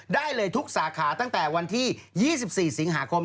ได้เลยทุกสาขาตั้งแต่วันที่๒๔สิงหาคม